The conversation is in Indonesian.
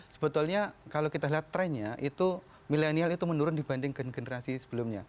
sebetulnya kalau kita lihat trennya itu milenial itu menurun dibanding generasi sebelumnya